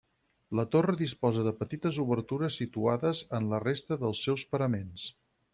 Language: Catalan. La torre disposa de petites obertures situades en la resta dels seus paraments.